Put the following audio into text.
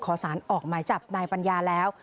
ขอสารออกหมายจับนายปัญญาแล้ว